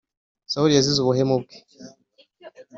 Sawuli yazize ubuhemu bwe.